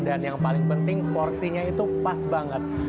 dan yang paling penting porsinya itu pas banget